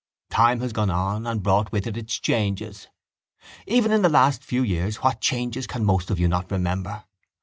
Time has gone on and brought with it its changes. Even in the last few years what changes can most of you not remember?